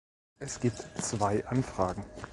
Es gibt zwei Anfragen.